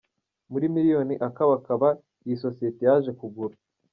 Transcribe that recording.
muri miliyoni akabakaba Iyi sosiyete yaje kugura.